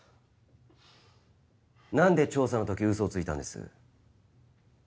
何で調査の時ウソをついたんです？